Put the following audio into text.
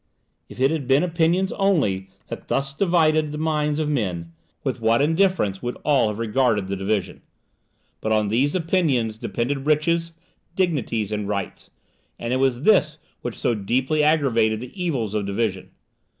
If it had been opinions only that thus divided the minds of men, with what indifference would all have regarded the division! But on these opinions depended riches, dignities, and rights; and it was this which so deeply aggravated the evils of division.